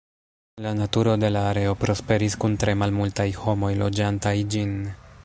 La naturo de la areo prosperis kun tre malmultaj homoj loĝantaj ĝin.